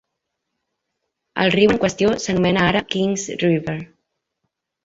El riu en qüestió s'anomena ara "Kings River".